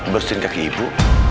bersihin kaki ibu